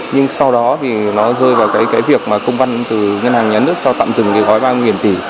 nhưng sau đó thì nó rơi vào cái việc mà công văn từ ngân hàng nhà nước cho tạm dừng cái gói ba mươi tỷ